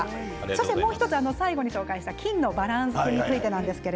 もう１つ、最後に紹介した菌のバランスについてです。